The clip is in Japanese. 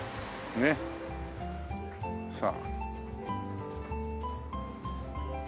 さあ。